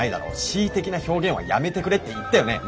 恣意的な表現はやめてくれって言ったよねね？